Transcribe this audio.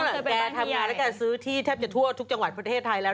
การทำอย่างนี้แล้วแค่ซื้อที่แทบจะทั่วทุกจังหวัดประเทศไทยแล้ว